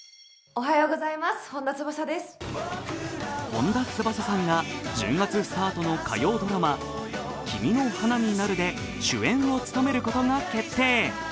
本田翼さんが１０月スタートの火曜ドラマ「君の花になる」で主演を務めることが決定。